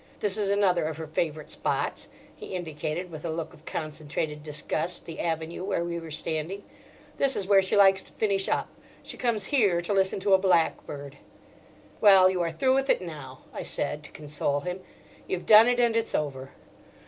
This is another of her favourite spots." He indicated with a look of concentrated disgust the avenue where we were standing. "This is where she likes to finish up. She comes here to listen to a blackbird." "Well, you are through with it now," I said to console him. "You've done it; and it's over."